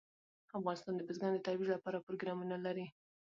افغانستان د بزګان د ترویج لپاره پروګرامونه لري.